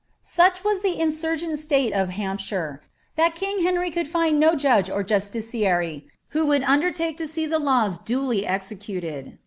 Such was the insuigent stale of Uampshiie, that king Henry toM find no judge or justiciary, who would undertake to aee the laws dilf executed.